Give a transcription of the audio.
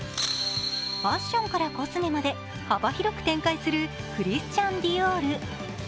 ファッションからコスメまで幅広く展開するクリスチャン・ディオール。